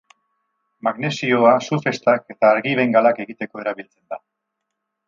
Magnesioa su-festak eta argi-bengalak egiteko erabiltzen da.